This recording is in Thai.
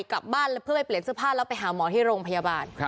กลับบ้านแล้วเพื่อไปเปลี่ยนเสื้อผ้าแล้วไปหาหมอที่โรงพยาบาล